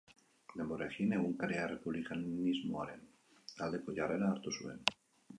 Denborarekin egunkaria errepublikanismoaren aldeko jarrera hartu zuen.